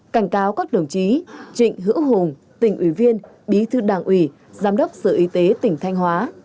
cảnh cáo các đồng chí trịnh hữu hùng tỉnh ủy viên bí thư đảng ủy giám đốc sở y tế tỉnh thanh hóa